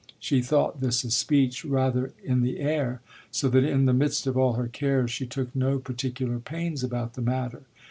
She thought this a speech rather in the air, so that in the midst of all her cares she took no particular pains about the matter.